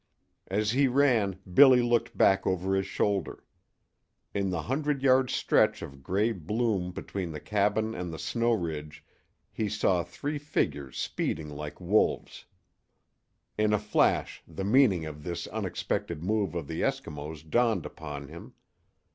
As he ran Billy looked back over his shoulder. In the hundred yard stretch of gray bloom between the cabin and the snow ridge he saw three figures speeding like wolves. In a flash the meaning of this unexpected move of the Eskimos dawned upon him.